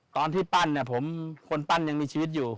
ตอนที่ปั้นเนี่ยผมคนปั้นยังมีชีวิตอยู่